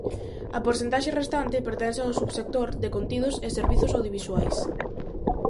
A porcentaxe restante pertence ao subsector de contidos e servizos audiovisuais.